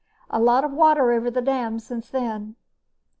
A lot of water over the dam since then.